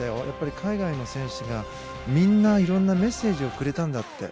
海外の選手がみんないろいろなメッセージをくれたんだって。